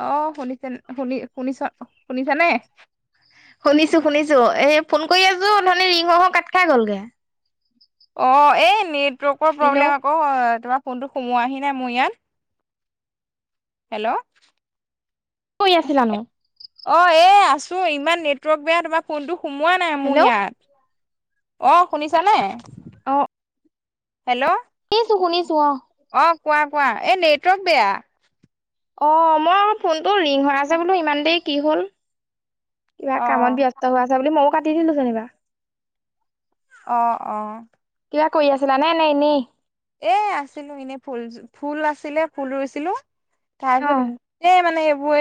অ শুনিছে শুনি শুনিছ শুনিছেনে? শুনিছো শুনিছো, এই ফোন কৰি আছো অথনি ৰিং হৈ হৈ কাট খাই গ'লগে। অ, এই নেটৱৰ্কৰ হেল্ল' প্ৰব্লেম আকৌ, তোমাৰ ফোনটো সোমোৱাহি নাই মোৰ ইয়াত। হেল্ল'। কি কৰি আছিলানো? অ, এই আছো ইমান নেটৱৰ্ক বেয়া তোমাৰ ফোনটো সোমোৱা নাই মোৰ হেল্ল' ইয়াত। অ শুনিছানে? অ। হেল্ল' শুনিছো শুনিছো অ, অ কোৱা কোৱা, এই নেটৱৰ্ক বেয়া। অ, মই বোলো ফোনটো ৰিং হৈ আছে বোলো ইমান দেৰি কি হ'ল। কিবা অ কামত ব্যস্ত হোৱা আছে বুলি ময়ও কাটি দিলো যেনিবা। অ' অ' কিবা কৰি আছিলা নে, নে এনেই? এ আছিলো এনেই ফুল ফুল আছিলে ফুল ৰুইছিলো। তাৰ অ পাছত গোটেই মানে, এইবোৰ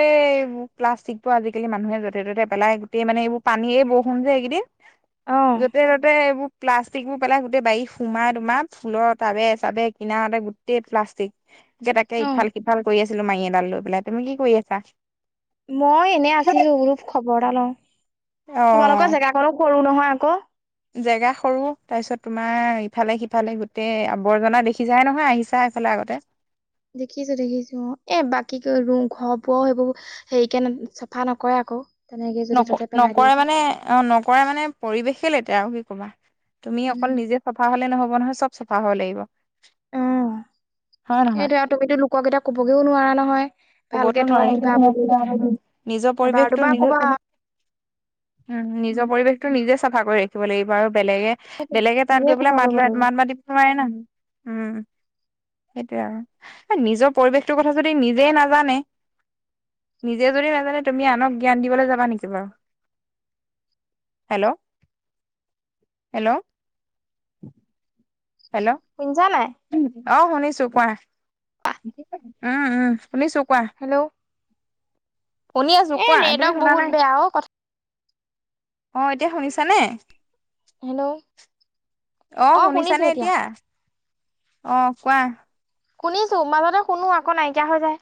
প্লাষ্টিকতটো মানুহে ত'তে পেলাই গোটেই মানে এইবোৰ পানীয়ে বৰষুণ যে এইকেইদিন। অ য'তে ত'তে এইবোৰ প্লাষ্টিক বোৰ পেলাই গোতেেই বাৰীত সোমাই তোমাৰ ফুলত। তাবে চাবে কনাতে গোটেই প্লাষ্টিকে, তাকে অ ইফাল সিফাল কৰি আছো। ছিলো মাৰি এডাল লৈ পেলাই। তুমি কি কৰি আছা? মই এনেই আছিলো বোলো খবৰ এটা লও। অ তোমালোকৰ জেগাখনো সৰু নহয় আকৌ। জেগা সৰু তাৰপিছত তোমাৰ ইফালে সিফালে গোটেই আৱৰ্জনা দেখিছায়াহে নহয়, আহিছা এইফালে আগতে। দেখিছো দেখিছো। অ, এ বাকী ক ৰু ঘৰ বোৱা সেইবোৰো। সেইকাৰণে চাফা নকৰে আকৌ। তেনেকে য'তে নক ত'তে পেলাই নকৰে দিয়ে। মানে অ নকৰে মানে পৰিৱেশে লেতেৰা আৰু কি কবা তুমি উম অকল নিজে চাফা হলে নহব নহয় চব চাফা হব লাগিব। হয় নহয় এইটো আৰু তুমিতো লোকক এতিয়া কবগেও নোৱাৰা নহয়। ভালকে কবতো থওক কিবা বুলি নোৱাৰি নিজৰ এবাৰ পৰিৱেশটো দুবাৰ নিজে কবা উম নিজৰ পৰিৱেশটো নিজে চাফা কৰি ৰাখিব লাগিব আৰু বেলেগে বেলেগে তাত নিজে গৈ পেলাই চাফা কৰিব মাত লাগিব মাত মাতি নোৱাৰে ন উম সেইটোয়ে আৰু এ নিজৰ পৰিৱেশটোৰ কথা যদি নিজে না জানে নিজে যদি নাজানে তুমি আনক জ্ঞান দিবলৈ যাবা নেকি বাৰু। হেল্ল' হেল্ল' হেল্ল' শুনিছা নাই অ শুনিছো কোৱা উম উম শুনিছো কোৱা হেল্ল শুনি আছো এ কোৱা তুমি নেটৱৰ্ক শুনা বহুত নাই বেয়া অ কথা অ এতিয়া শুনিছানে? হেল্ল অ শুনিছানে এতিয়া অ কোৱা শুনিছো মাজতে শুনো আকৌ নাইকিয়া হৈ যায়।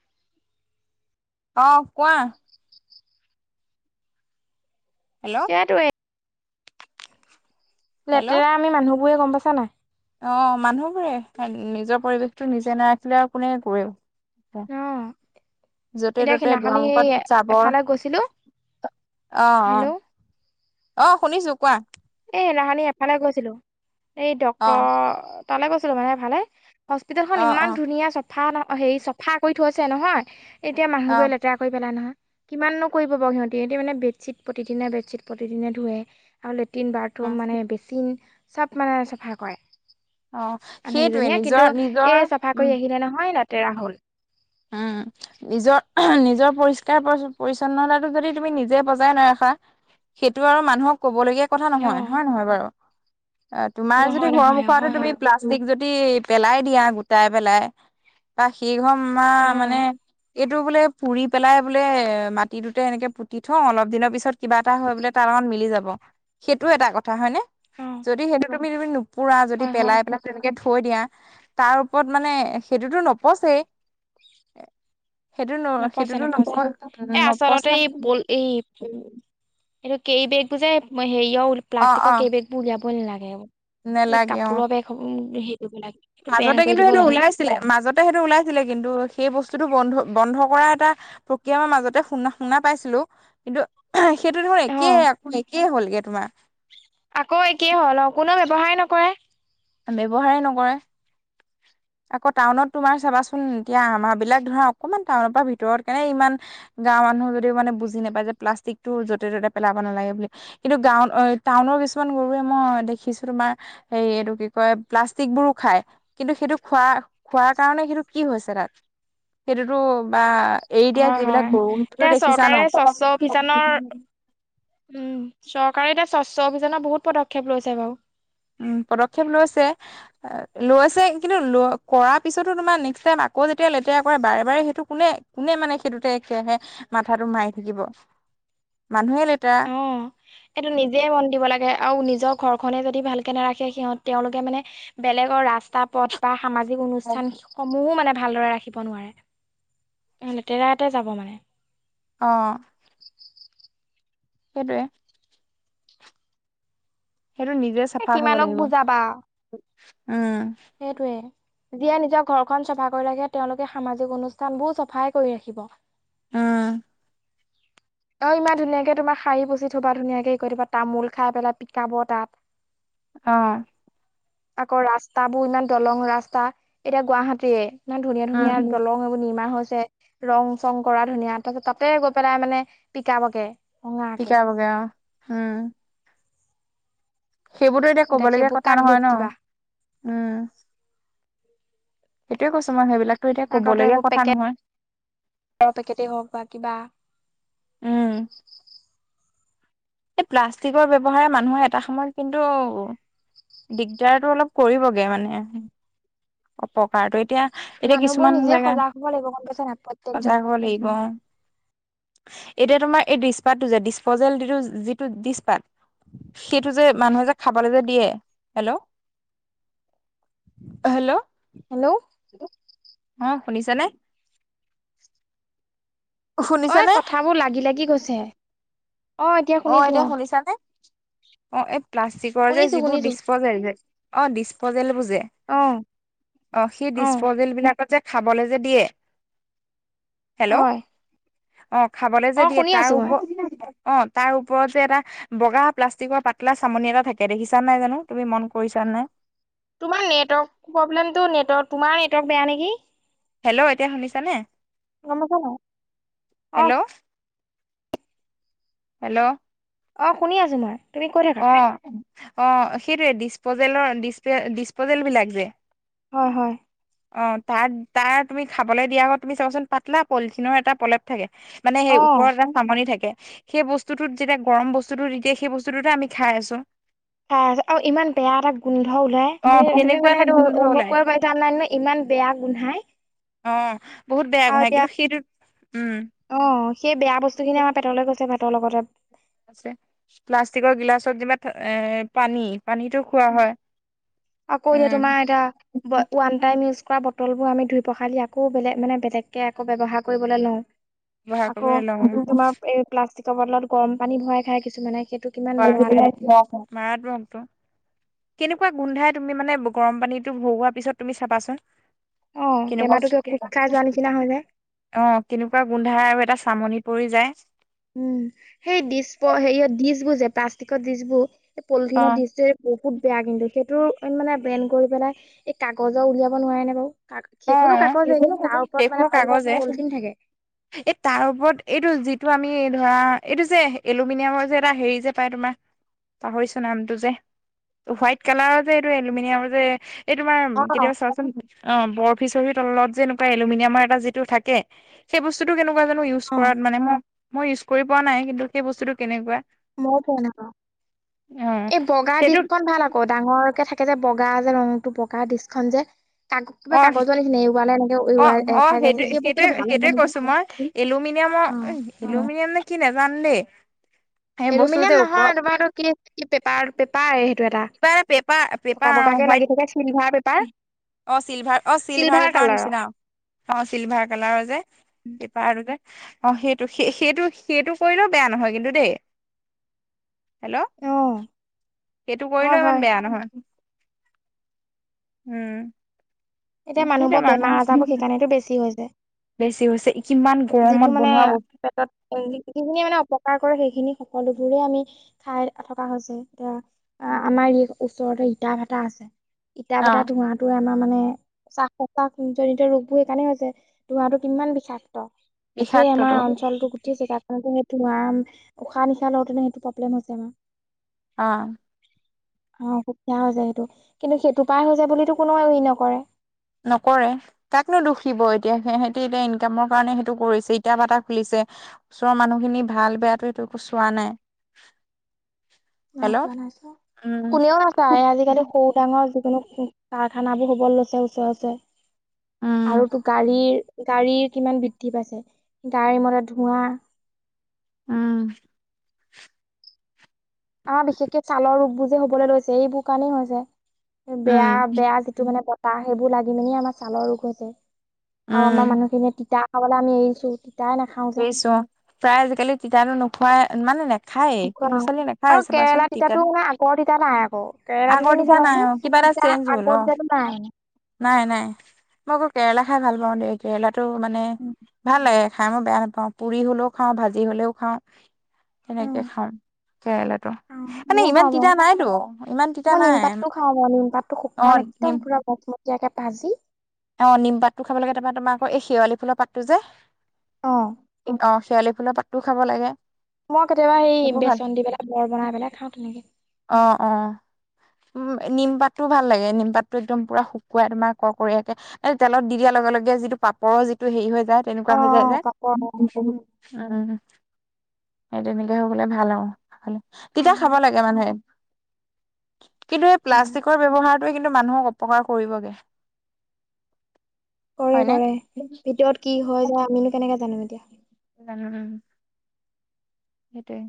অ কোৱা হেল্ল' সেইটোৱে হেল্ল' লেতেৰা আমি মানুহবোৰে গম পাইছা নাই? অ মানুহবোৰে নিজৰ পৰিৱেশটো নিজে নাৰাখিলে আৰু কোনে কৰে। অ যতে এতিয়া ত'তে সিদিনাখনি এই দুৱাৰমুখত জাবৰ এফালে গৈছিলো অ হেল্ল' অ অ শুনিছো কোৱা এ সেনাখনি এফালে গৈছিলো এই অ ডক্তৰ তালৈ গৈছিলো মানে এফালে হস্পিতেেলখন অ ইমান অ ধুনীয়া চফা হেৰি চফা কৰি থৈছে নহয় এতিয়া অ অ মানুহবোৰে লেতেৰা কৰি পেলাই নহয়। কিমাননো কৰিব বাৰু সিহঁতি সিহঁতি মানে বেডশ্বীট প্ৰতিদিনে বেডশ্বীট প্ৰতিদিনে ধুৱে আৰু লে ট্ৰিন বাথৰুম মানে বেচিন চব মানে চাফা কৰে। অ আ সেইটোৱে সেইকেইজনীয়া কিন্তু নিজৰ নিজৰ এ চাফা উম কৰি আহিলে নহয় লেতেৰা হ'ল। উম নিজৰ নিজৰ পৰিষ্কাৰ পৰিছন্নতাটো যদি তুমি নিজে বজাই নৰাখা সেইটো আৰু মানুহক কব লগগীয়া কথা নহয় অ হয় নহয় বাৰু। অ তোমাৰ যদি নহয় ঘৰৰ নহয় অ মুখতে হয় তুমি হয় প্লা ষ্টিক যদি পেলাই দিয়া গোটাই পেলাই বা সিঘৰ মা অ মানে এইটো বোলে পুৰি পেলাই বোলে মাটিটোতে এনেকে পুতি থওঁ অলপ দিনৰ পিছত কিবা এটা হৈ বোলে তাৰ লগত মিলি যাব সেইটো এটা কথা হয়নে অ যদি সেইটো তুমি তুমি নো পুৰা যদি হয় হয় পেলাই পেলাই তেনেকে থৈ দিয়া তাৰ ওপৰত মানে সেইটোতো নপচেই সেইটো ন নপছে সেইটোতো নপ নপছে এ আচলতে নপচা এই পল এই উম এইটো কেইবেগবোৰ যে হেৰিয়ৰ অ প্লাষ্টিকৰ অ কেইবেগবোৰ উলিয়াবই নালাগে। এই নেলাগে অ কাপোৰ সেইসমূহ এ সেইটো পেলাই দিয়ে। মাজতে কিন্তু সেইটো ওলাইছিলে মাজতে সেইটো ওলাইছিলে কিন্তু সেই বস্তুটো বন্ধ বন্ধ কৰা এটা প্ৰক্ৰিয়া মই মাজতে শুনা শুনা পাইছিলো কিন্তু সেইটো ধৰ অ একেই একেই হ'লগে তোমাৰ আকৌ একেই হ'ল অ কোনেও ব্যৱহাৰ নকৰে। ব্যৱহাৰেই নকৰে। [inaudible] আকৌ টাউনত তোমাৰ চাবাচোন এতিয়া আমাৰ বিলাক ধৰা অকমান টাউনৰ পৰা ভিতৰত কাৰনে ইমান - গাঁৱৰ মানুহ যদিও মানে বুজি নাপায় যে প্লাষ্টিক টো য'তে ত'তে পেলাব নালাগে বুলি। কিন্তু গাঁও অ টাউনৰ কিছুমান গৰুৱে মই দেখিছো তোমাৰ হেৰী এইটো কিক কয় প্লাষ্টিক বোৰো খাই কিন্তু সেইটো খোৱা খোৱাৰ কাৰণে সেইটো কি হৈছে তাত। সেইটোতো বা এৰি দিয়া হয় হয়। যিবিলাক গৰু এতিয়া [unintelligible] দেখিছা চৰকাৰে ন - উ, চৰকাৰে এতিয়া স্বচ্ছ অভিযানৰ বহুত পদক্ষেপ লৈছে বাৰু। উ, পদক্ষেপ লৈছে। আ লৈছে কিন্তু ল কৰা পিছতো তোমাৰ নেক্সট টাইম আকৌ যেতিয়া লেতেৰা কৰে বাৰে বাৰে সেইটো কোনে - কোনে মানে সেইটোতে একেবাৰে মাথাটো মাৰি থাকিব মানুহে লেতেৰা। উ। এইটো নিজে মন দিব লাগে আৰু নিজৰ ঘৰখনে যদি ভালকে নাৰাখে সিহঁত তেওঁলোকে মানে- বেলেগৰ ৰাস্তা পথ বা সামাজিক অনুষ্ঠান অ সমূহো মানে ভালদৰে ৰাখ খিব নোৱাৰে লেতেৰাতে যাব মানে। অ'। সেইটোৱে। সেইটো নিজে এ চাফা হ'ব কিমানক লাগিব উ। সেটোৱে। যিয়ে নিজৰ ঘৰখন চাফা কৰি ৰাখে তেওঁলোকে সামাজিক অনুষ্ঠান বোৰো চাফাই কৰি ৰাখিব। উম আও ইমান ধুনীয়াকে তোমাৰ শাৰী পোচি থবা ধুনীয়াকে কৰি থবা তামোল খাই পেলাই পিকাব তাত - অ'। আকৌ ৰাস্তাবোৰ ইমান দলং ৰাস্তা এতিয়া গুৱাহাটীয়ে। ইমান ধুনীয়া উম ধুনীয়া দলং এইবোৰ নিৰ্মান হৈছে। ৰং চং কৰা ধুনীয়া তাৰপিছত তাতে গৈ পেলাই মানে পিকাবগে। ভঙাকে। পিকাবগে অ উম। সেইবোৰতো এতিয়া কবলগীয়া সেইবোৰ কথা কাক নহয় দুখ দিবা ন উম। [inaudible] সেইটোৱে কৈছো মই সেইবিলাকতো এতিয়া ক'বলগীয়া কথা নহয়। আও পেকেটে হওক বা কিবা - উম এই প্লাষ্টিকৰ ব্যৱহাৰে মানুহে এটা সময়ত কিন্তু - দিগদাৰটো অলপ কৰিবগে মানে - অপকাৰটো এতিয়া এতিয়া মানুহবোৰ কিছুমান নিজে সজাগ হ'ব লাগিব গম পাইছা নাই জেগাত প্ৰত্যেকজন সজাগ হ'ল [unintelligible] এতিয়া তোমাৰ এই ডিছপাতটো যে ডিচপ'জেল যিটো ডিছপাত - সেইটো যে মানুহে যে খাবলৈ যে দিয়ে হেল্ল - হেল্ল' হেল্ল' অ শুনিছা নে? অই শুনিছানে কথাবোৰ লাগি লাগি গৈছে। অ' এতিয়া শুনিছানে? অ এই প্লাষ্টিকৰ যে শুনিছো যিবোৰ শুনিছো ডিচপজেল যে অ ডিচপজেল বোৰ যে- অ অ' সেই ডিচপজেল বিলাকত যে খাবলৈ যে দিয়ে হেল্ল', হয় অ' খাবলে যে অ দিয়ে শুনি তাৰ আছো মই ওপৰত অ তাৰ ওপৰত যে এটা - বগা প্লাষ্টিকৰ পাতলা চামনি এটা থাকে দেখিছা নাই জানো তুমি মন কৰিছা নাই - তোমাৰ নেটৱৰ্ক প্ৰব্লেমটো নেটৰ তোমাৰ নেটৱৰ্ক বেয়া নেকি? হেল্ল' এতিয়া শুনিছানে গম পাইছা নাই অ হেল্ল, হেল্ল' অ', শুনি আছোঁ মই। তুমি কৈ থাকা অহ, অহ, সেইটোৱে। ডিছপ'জেলৰ, ডিছপে-ডিছপ'জেলবিলাক যে। হয়, হয়। অহ, তাত তাৰ তুমি খাবলৈ দিয়া আগত তুমি চাবাচোন, পাতলা পলিথিনৰ এটা প্ৰলেপ থাকে। মানে অ সেই ওপৰত ৰাং- [unintelligible] থাকে। সেই বস্তুতোত যেতিয়া গৰম বস্তুতো, তেতিয়া সেই বস্তুততে আমি খাই আছোঁ। কা, আৰু ইমান বেয়া এটা গোন্ধ ওলাই। অ তুমি, তুমি তেনেকুৱা মানে এটা সেইটো গোন্ধ অনুভৱ ওলাই কৰিব [unintelligible] [unintelligible] ইমান বেয়া গোন্ধাই। অহ, বহুত বেয়া গোন্ধাই। কিন্তু সেইটোত, উম। অহ, সেই বেয়া বস্তুখিনি আমাৰ পেটলৈ গৈছে ভাতৰ লগতে। পাচে। প্লাষ্টিকৰ গিলাচ যেনেবা থ', এ' পানী, পানীটো খোৱা হয়। আকৌ এতিয়া উম তোমাৰ এতিয়া ব', ৱান টাইম ইউজ কৰা বট- টলবোৰ আমি ধুই-পখালি আকৌ বেলেগ, মানে বেলেগকে আকৌ ব্যৱহাৰ কৰিবলে লওঁ। ব্যৱহাৰ আকৌ কৰিবলৈ লওঁ খোৱা তোমাৰ এই প্লাষ্টিকৰ বটলত গৰম পানী ভৰাই খায় কিছুমানে। সেইটো - [unintelligible] [unintelligible] [unintelligible] [unintelligible] কেনেকুৱা গোন্ধায়, তুমি মানে গৰম পানীতটো ভৰোৱা পিছত তুমি চাবাচোন। অ', টেমাটো কিবা কেনেকুৱা খোজ খাই যোৱা নিচিনা হৈ যায়। [unintelligible] অহ, কেনেকুৱা গোন্ধাই আৰু এটা চামনি পৰি যায়। উম, সেই ডিছপ, সেই ডিছবোৰ যে, প্লাষ্টিকৰ ডিছবোৰ, এ' পলিথিনৰ অ' দিছ যে। বহুত বেয়া কিন্তু। সেইটো মানে বেন কৰিপেলাই, এই কাগজৰ উলিয়াব নোৱাৰে নে বাৰু? কা, সেইখনো অ' কাগজে, তাৰ ওপৰত সেইখনো মানে কাগজে পল-পলিথিন থাকে। এই তাৰ ওপৰত এইটো যিটো আমি ধৰা এইটো যে, এলুমিনিয়ামৰ যে এটা হেৰি যে পায় তোমাৰ- পাহৰিছোঁ নামটো যে। ত' হোৱাইট কালাৰৰ যে এইটো এলুমিনিয়ামৰ যে - এই তোমাৰ, ম', অ', অ', কেতিয়াবা চোৱাচোন অ', বৰ - ফিছাৰীৰ তলত যে এলোমিনিয়ামৰ এটা যিটো থাকে, সেই বস্তুটো কেনেকুৱা যানো ইউ- চ কৰাত মানে মই ইউজ পোৱা নাই, কিন্তু সেই বস্তুটো কেনেকুৱা। মইও পোৱা নাই বাৰু। অ' এই বগা সেইটো ডিছখন ভাল আক- কৌ। ডাঙৰকে থাকে যে, বগা যে ৰংটো, বগা দিছখন যে। কাগ, কিবা কাগজৰ নিচিনা [unintelligible] [unintelligible] অহ, অহ খাই যায় যে সেইটো, সেই বস্তুটো সেইটোৱে, ভাল হ'ব সেইটোৱে নেকি কৈছোঁ মই। এলুমিনিয়ামৰ, অ অই। এলুমিনিয়াম নে কি নেজানো দেই। সেই বস্তু এলুমিনিয়াম যে নহয়, ওপৰত তোমাৰা এইটো কি, কি পেপাৰ। পেপাৰে সেইটো এটা। কিবা পেপাৰ পকা পেপাৰ অ পকাকে হোৱাইট লাগি থাকে চিলভাৰ পেপাৰ। অ', চিলভাৰ, অ', চিলভাৰ পেপাৰ নিচিনা অ'। চিলভাৰ কালাৰ যে। পেপাৰৰে। অহ, সেইটো, সে-সেইটো, সেইটো কৰিলেও বেয়া নহয় কিন্তু দেই। হেল্ল' অ সেইটো হয় কৰিলেও ইমান হয় বেয়া নহয়। উম। এতিয়া সেইটোৱে মানুহবোৰ মানুহ বেমাৰ-আজাৰবোৰ সেইকাৰণেতো বেছি হৈছে। বেছি হৈছে। ই' কিমান গৰমত বনোৱা ও'। এই, যিখিনি মানে অপকাৰ কৰে সেইখিনি সকলোবোৰে আমি খাই থকা হৈছে। এতিয়া - আ', আমাৰ ই' ওচৰতে ইটা ভটা আছে। ইটা অ ভটা ধোঁৱাটোৱে আমাৰ মানে - [unintelligible] জড়িত ৰোগবোৰ সেইকাৰণেও যে ধোঁৱাটো কিমান বিষাক্ত। গটেই আমাৰ বিষাক্তটো অঞ্চলটো, গু- তেই জেগাখনে তোমাৰ উশাহ-নিশাহ লওঁ তেনে সেইটো প্ৰব্লেম হৈছে আমাৰ। অ'। অ', সুকাই আছে সেইটো, কিন্তু সেইটো পাৰ হৈ যাবলৈ কোনোৱও হেৰি নকৰে। নকৰে। কাক নো দুুখিব এতিয়া, সিহতে এতিয়া ইনকামৰ কাৰণে সেইটো কৰিছে, ইটা ভাটা খুলিছে। ওচৰৰ মানুহখিনি ভাল বেয়টো, এইটো একো চোৱা নাই। নাই হেল্ল' চোৱা, নাই চোৱা, উম কোনেও নাচায় আজিকালি সৰু ডাঙৰ যিকোনো কাৰখান বোৰ হ'ব লৈছে ওচৰে, ওচৰে। আৰু উম তোৰ গাড়ীৰ, গাড়ীৰ কিমান বৃদ্ধি পাইছে, গাড়ীৰ মতে ধোঁৱা। অহ। অ', বিশেষকে ছালৰ ৰোগ বোৰ যে হ'ব লে লৈছে, এইবোৰ কাৰণেই হৈছে। বেয়া, উম বেয়া যিটো মানে বতাহ সেইবোৰ লাগি মেলি আমাৰ ছালৰ ৰোগত হৈছে। আৰু আমাৰ উম মানুহখিনিয়ে তিতা খাবলে আমি এৰিছো, তিতাই নাখাওঁ। এৰিছো অ', প্ৰায় আজিকালি তিতাটো নোখোৱাই, মানে নে খায়ে, খোৱা ল'ৰা-ছোৱালী আৰু নাখাই কেৰেলা চাবাচোন তিতাটো তিতাতো, মানে আগৰ তিতা নাই আকৌ কেৰেলাটো আগৰ তুমি তিতা নাই চাবাচোন অ'। কিবা এটা তিতা চেঞ্জ হ'ল আগৰ অ'। তিতাটো নাই নাই, নাই। মই আকৌ কেৰেলা খাই ভাল পাওঁ দেই, কেৰেলাটো মানে ভাল লাগে খাই। বেয়া নাপাওঁ। পুৰি হ'লেও খাওঁ, ভাজি হ'লেও খাওঁ তেনেকে উম, খাওঁ। কেৰেলাতো, অ মানে ময়ো ইমান খাওঁ বাৰু তিতা নাইতো, ইমান তিতা মই নাই নিমপাতটো খাওঁ বাৰু নিমপাতটো শুকান অ'। একদম নিম পুৰা মোক-মকিয়াকৈ ভাজি, অ', নিম পাতটো খাব লাগে, তাৰমান তোমাৰ, আকৌ এই শেৱালি ফুলৰ পাতটো যে, অ'। [unintelligible] আ, শেৱলি ফুলৰ পাতোও খাব লাগে। মই কেতিয়াবা সেই সেইবোৰ ভাল বেচন দি পেলাই বৰ বনাই পেলাই খাওঁ তেনেকে। অ', অ'। উম, নিমপাতটোও ভাল লাগে, নিমপাতটো একদম পুৰা শুকুৱাই তোমাৰ কৰকৰীয়াকে এই তেলত দি দিয়াৰ লগে লগে যিটো পাপৰৰ যিটো হেৰি হৈ যায়, তেনেকুৱা হৈ যায় যে। অ', পাপৰ [inaudible] উম। অ', সেই তেনেকে হৈ গ'লে ভাল আৰু তিতা হয়, খাব হয়, লাগে মানুহে। কিন্তু এই হয়। প্লাষ্টিকৰ ব্যৱহাৰটোৱে কিন্তু মানুহক অপকাৰ কৰিবগে। কৰে, হয়নে কৰে, ভিতৰত কি হয় যায় আমিনো কেনেকে জানম এতিয়া। এই জানোঁ। সেইটোৱেই।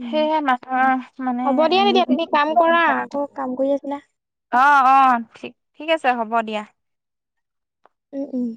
উম, সেয়ে মানুহৰ মানে হ'ব দিয়া তেতিয়া তুমি কাম কৰা [unintelligible] অ', আকৌ কাম কৰি আছিলা। অ', ঠিক, ঠিক আছে হ'ব দিয়া। উম, উম।